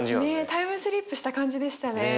タイムスリップした感じでしたね。